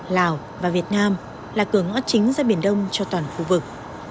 lào và việt nam là cửa ngõ chính ra biển đông cho toàn khu vực